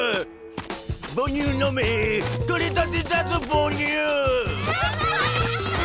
母乳飲め取れたてだぞ母乳わあ！